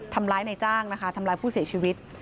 ทำร้ายในจ้างนะคะทำร้ายผู้เสียชีวิต